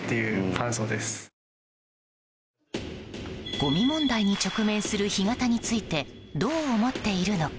ごみ問題に直面する干潟についてどう思っているのか。